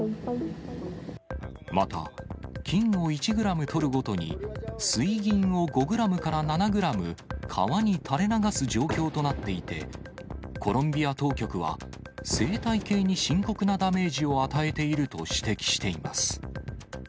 また、金を１グラムとるごとに、水銀を５グラムから７グラム、川に垂れ流す状況となっていて、コロンビア当局は、生態系に深刻なダメージを与えていると指摘しています。